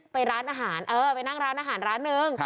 ไปร้านอาหารเออไปนั่งร้านอาหารร้านนึง